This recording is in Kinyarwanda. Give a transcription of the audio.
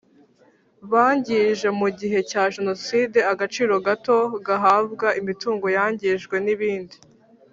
Bangije mu gihe cya jenoside agaciro gato gahabwa imitungo yangijwe n ibindi